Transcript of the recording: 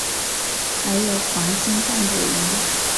还有黄金蛋的鱼